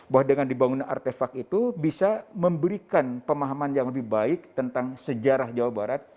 bahwa dengan dibangun artefak itu bisa memberikan pemahaman yang lebih baik tentang sejarah jawa barat